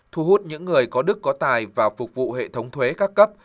thu hút những người có đức có tài vào phục vụ hệ thống thuế các cấp